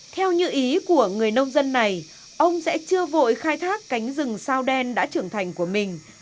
theo như ý của người nông dân này ông sẽ chưa vội khai thác cánh rừng sao đen đã trưởng thành của mình